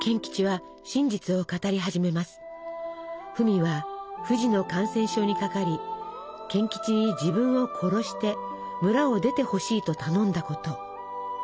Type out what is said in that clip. フミは不治の感染症にかかり賢吉に自分を殺して村を出てほしいと頼んだこと。